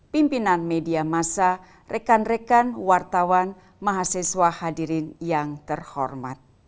pimpinan media masa rekan rekan wartawan mahasiswa hadirin yang terhormat